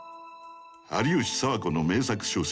有吉佐和子の名作小説